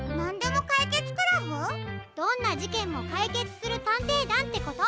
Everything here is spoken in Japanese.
どんなじけんもかいけつするたんていだんってこと！